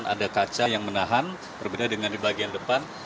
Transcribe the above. ada kaca yang menahan berbeda dengan di bagian depan